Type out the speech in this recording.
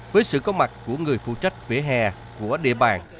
với sự có mặt của người phụ trách vỉa hè của địa bàn